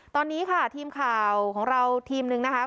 ตอนนี้ค่ะทีมข่าวของเราทีมหนึ่งนะคะ